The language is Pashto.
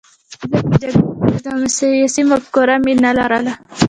زه د جګړې ضد وم او سیاسي مفکوره مې نه لرله